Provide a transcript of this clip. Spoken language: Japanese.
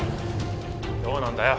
どうなんだよ？